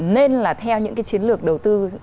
nên là theo những cái chiến lược đầu tư